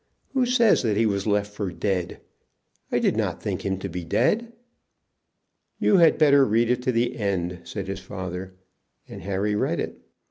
"Who says that he was left for dead? I did not think him to be dead." "You had better read it to the end," said his father, and Harry read it.